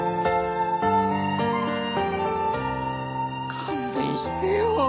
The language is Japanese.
勘弁してよ